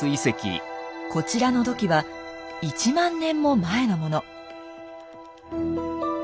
こちらの土器は１万年も前のもの。